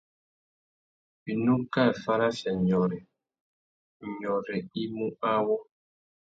Winú kā farafia nyôrê, nyôrê i mú awô.